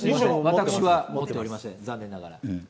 私は持っておりません、残念ながら。